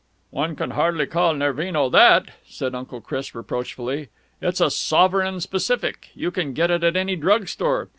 "One can hardly call Nervino that," said Uncle Chris reproachfully. "It is a sovereign specific. You can get it at any drug store.